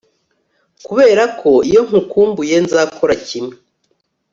kuberako iyo nkumbuye nzakora kimwe